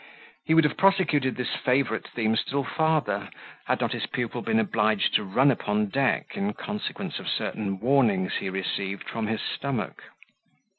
He would have prosecuted this favourite theme still farther, had not his pupil been obliged to run upon deck, in consequence of certain warnings he received from his stomach.